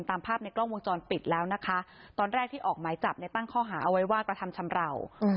ตามภาพในกล้องวงจรปิดแล้วนะคะตอนแรกที่ออกไม้จับในปั้งข้อหาอวัยวาคประธำชำเหล่า